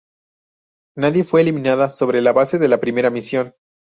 Nadie fue eliminada sobre la base de la Primera Misión.